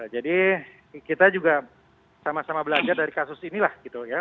jadi kita juga sama sama belajar dari kasus ini lah